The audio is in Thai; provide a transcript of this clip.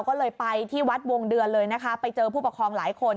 ก็เลยไปที่วัดวงเดือนเลยนะคะไปเจอผู้ปกครองหลายคน